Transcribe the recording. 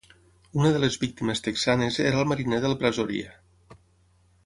Una de les víctimes texanes era el mariner del "Brazoria".